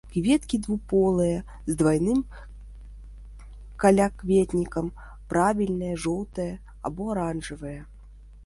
Кветкі двухполыя, з двайным калякветнікам, правільныя, жоўтыя або аранжавыя.